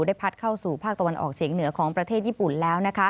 พัดเข้าสู่ภาคตะวันออกเฉียงเหนือของประเทศญี่ปุ่นแล้ว